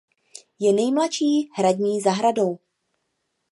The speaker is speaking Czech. Je nejmladší hradní zahradou.